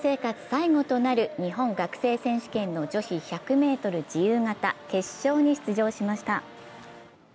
最後となる日本学生選手権の女子１００ｍ自由形決勝に出場しました。